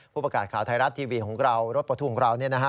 ผู้ประกาศข่าวไทยรัฐทีวีของเรารถปลดทุกของเรานี่นะฮะ